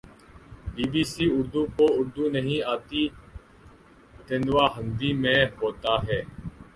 be B C Urdu کو اردو نہیں آتی تیندوا ہندی میں ہوتاہے